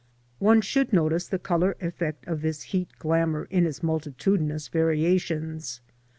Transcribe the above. One should notice the colour effect of this heat glamour, in its multitudinous^"" variations.